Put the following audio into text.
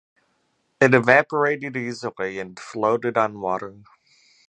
It evaporated easily and floated on water.